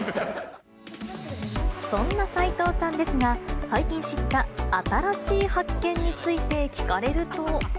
そんな斉藤さんですが、最近知った新しい発見について聞かれると。